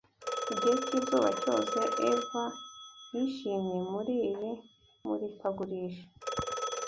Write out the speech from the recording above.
Igihe cyizuba cyose Eva yishimye Muri iri murikagurisha